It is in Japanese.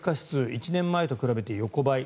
１年前と比べて、横ばい。